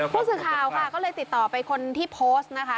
ผู้สื่อข่าวค่ะก็เลยติดต่อไปคนที่โพสต์นะคะ